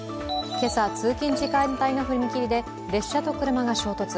今朝、通勤時間帯の踏切で列車と車が衝突。